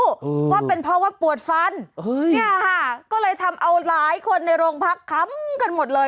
ว่าเป็นเพราะว่าปวดฟันเนี่ยค่ะก็เลยทำเอาหลายคนในโรงพักค้ำกันหมดเลย